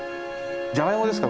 じゃがいもですか？